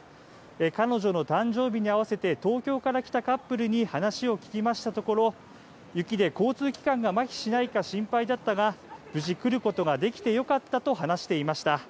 彼女の誕生日に合わせて東京から来たカップルに話を聞きましたところ、雪で交通機関がまひしないか心配だったが、無事来ることができてよかったと話していました。